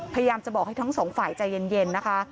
พยายามจะบอกให้ทั้งสองฝ่ายใจเย็นนะคะ